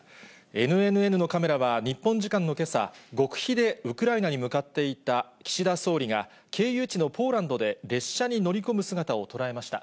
ＮＮＮのカメラは日本時間のけさ、極秘でウクライナに向かっていた岸田総理が、経由地のポーランドで列車に乗り込む姿を捉えました。